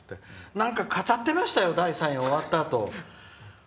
なんか語ってました第三夜終わったあと。